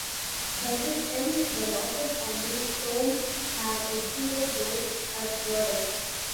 By its end the losses on the Somme had exceeded those at Verdun.